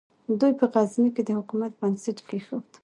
دوی په غزني کې د حکومت بنسټ کېښود.